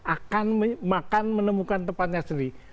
akan makan menemukan tempatnya sendiri